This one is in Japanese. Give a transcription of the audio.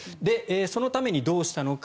そのためにどうしたのか。